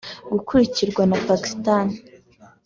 gikurikirwa na Pakistan